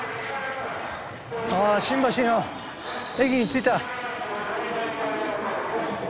あ新橋の駅に着いた。